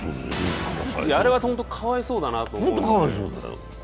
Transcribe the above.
あれは本当、かわいそうだなと思います。